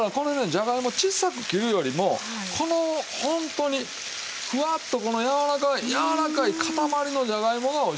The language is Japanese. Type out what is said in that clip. じゃがいも小さく切るよりもこのホントにふわっとこのやわらかいやわらかい塊のじゃがいもがおいしい。